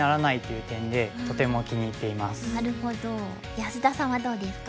安田さんはどうですか？